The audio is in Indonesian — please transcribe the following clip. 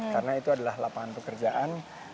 karena itu adalah lapangan pekerjaan